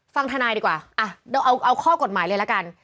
ฟังทนายดีกว่าเอาข้อกฎหมายเลยละกัน